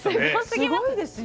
すごいですよ。